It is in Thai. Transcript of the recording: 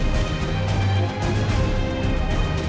โปรดติดตามต่อไป